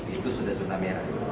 itu sudah zona merah